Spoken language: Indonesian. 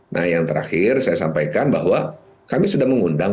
nah yang terakhir saya sampaikan bahwa kami sudah mengundang